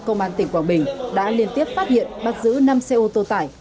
công an tỉnh quảng bình đã liên tiếp phát hiện bắt giữ năm xe ô tô tải